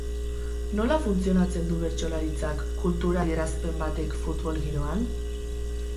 Nola funtzionatzen du bertsolaritzak, kultura adierazpen batek, futbol giroan?